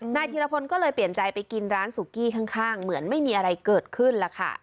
ธีรพลก็เลยเปลี่ยนใจไปกินร้านสุกี้ข้างเหมือนไม่มีอะไรเกิดขึ้นล่ะค่ะ